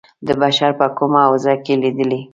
د بشر په کومه حوزه کې لېدلي.